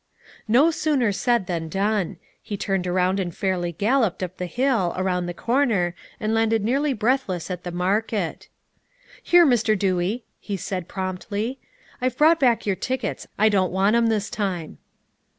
No sooner said than done; he turned around and fairly galloped up the hill, around the corner, and landed nearly breathless at the market. "Here, Mr. Dewey," he said promptly, "I've brought back your tickets; I don't want 'em this time."